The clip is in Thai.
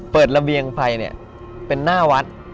ระเบียงไปเนี่ยเป็นหน้าวัด